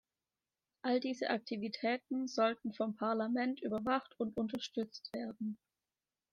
All diese Aktivitäten sollten vom Parlament überwacht und unterstützt werden.